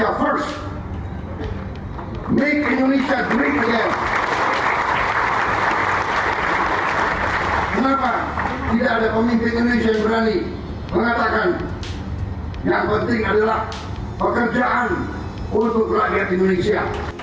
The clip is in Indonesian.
kenapa tidak ada pemimpin indonesia yang berani mengatakan yang penting adalah pekerjaan untuk rakyat indonesia